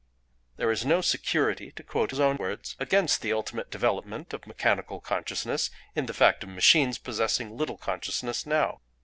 "There is no security"—to quote his own words—"against the ultimate development of mechanical consciousness, in the fact of machines possessing little consciousness now.